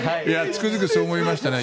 つくづくそう思いましたね。